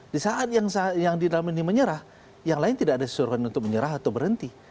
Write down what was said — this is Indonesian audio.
di saat yang di dalam ini menyerah yang lain tidak ada disuruhkan untuk menyerah atau berhenti